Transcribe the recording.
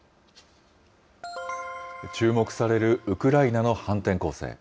注目されるウクライナの反転攻勢。